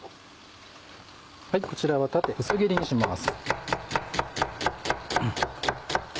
こちらは縦薄切りにします。